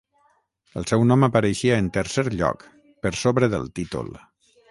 El seu nom apareixia en tercer lloc, per sobre del títol.